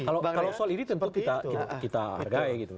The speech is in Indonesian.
kalau soal ini tentu kita hargai gitu